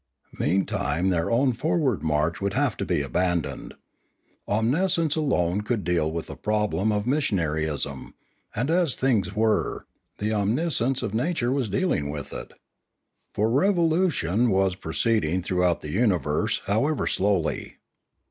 Meantime their own forward march would have to be abandoned. Omniscience alone could deal with the problem of mis sionaryism, and as things were, the omniscience of nature was dealing with it. For evolution was proceed ing throughout the universe, however slowly.